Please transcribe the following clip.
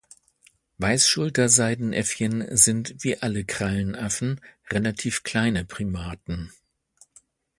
Weißschulter-Seidenäffchen sind wie alle Krallenaffen relativ kleine Primaten.